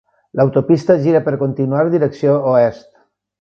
L'autopista gira per continuar direcció oest.